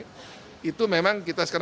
itu memang kita sekarang berikan kepadanya